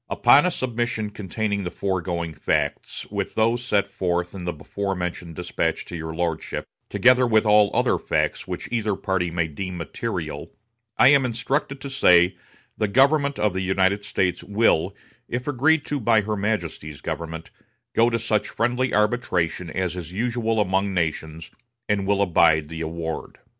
"Upon a submission containing the foregoing facts, with those set forth in the before mentioned despatch to your lordship, together with all other facts which either party may deem material, I am instructed to say the government of the United States will, if agreed to by her Majesty's government, go to such friendly arbitration as is usual among nations, and will abide the award."